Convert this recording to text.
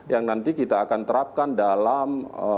yang nanti kita akan terapkan dalam